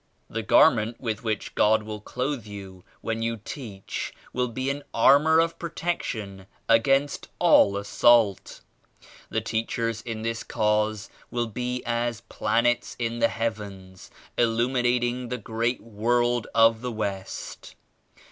"The garment with which God will clothe you when you teach will be an armor of protection against all assault. The teachers in this Cause will be as planets in the heavens, illuminating the great world of the West.